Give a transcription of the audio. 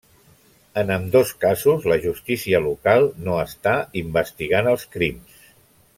En ambdós casos, la justícia local no està investigant els crims.